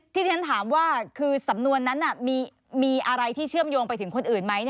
ที่ฉันถามว่าคือสำนวนนั้นมีอะไรที่เชื่อมโยงไปถึงคนอื่นไหม